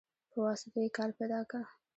په واسطو يې کار پيدا که.